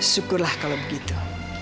syukurlah kalau begitu